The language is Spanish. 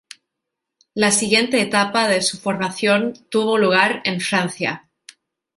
La siguiente etapa de su formación tuvo lugar en Francia.